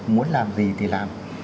muốn làm gì thì làm